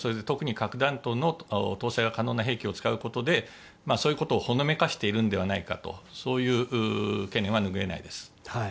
特に核弾頭の搭載は可能な兵器を使うことでそういうことをほのめかしているのではないかとそういう懸念は拭えないです。